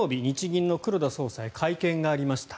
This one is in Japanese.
銀の黒田総裁会見がありました。